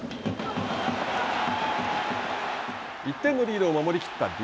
１点のリードを守りきったＤｅＮＡ。